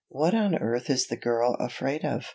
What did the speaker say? "What on earth is the girl afraid of?